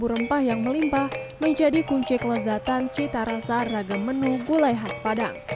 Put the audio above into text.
rempah yang melimpah menjadi kunci kelezatan cita rasa ragam menu gulai khas padang